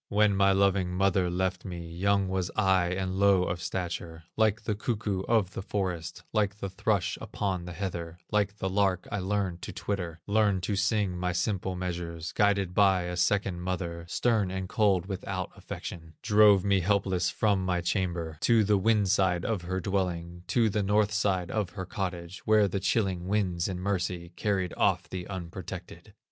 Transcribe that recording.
When my loving mother left me, Young was I, and low of stature; Like the cuckoo of the forest, Like the thrush upon the heather, Like the lark I learned to twitter, Learned to sing my simple measures, Guided by a second mother, Stern and cold, without affection; Drove me helpless from my chamber To the wind side of her dwelling, To the north side of her cottage, Where the chilling winds in mercy Carried off the unprotected.